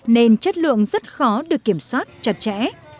nên chất lượng rất khó được kiểm soát chặt chẽ